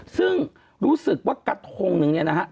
ซึ่งรู้สึกว่ากระทงหนึ่งเนี่ยนะฮะ